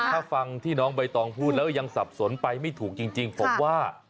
ถ้าฟังที่น้องใบตองพูดแล้วยังสับสนไปไม่ถูกจริงผมว่า